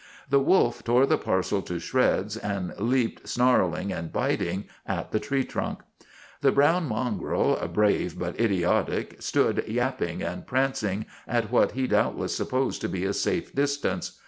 The wolf tore the parcel to shreds and leaped, snarl ing and biting, at the tree trunk. The brown mongrel, brave but idiotic, stood yap ping and prancing at what he doubtless supposed to be a safe distance.